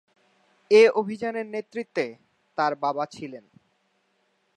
এ অভিযানের নেতৃত্বে তার বাবা ছিলেন।